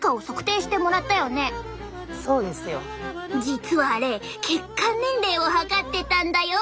実はあれ血管年齢を測ってたんだよ。